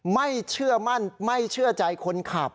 ไม่เชื่อมั่นไม่เชื่อใจคนขับ